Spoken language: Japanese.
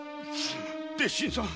鉄心さん。